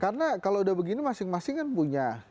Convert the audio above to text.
karena kalau udah begini masing masing kan punya